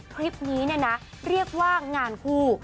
คลิปนี้เนี่ยนะเรียกว่างานคู่